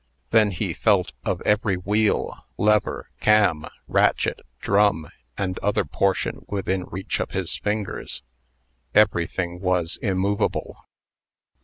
Then he felt of every wheel, lever, cam, ratchet, drum, and other portion within reach of his fingers. Everything was immovable.